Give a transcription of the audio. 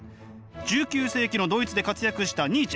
１９世紀のドイツで活躍したニーチェ。